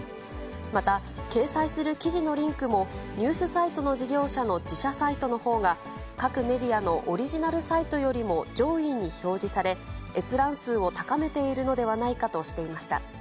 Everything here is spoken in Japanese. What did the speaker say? また、掲載する記事のリンクもニュースサイトの事業者の自社サイトのほうが各メディアのオリジナルサイトよりも上位に表示され、閲覧数を高めているのではないかとしていました。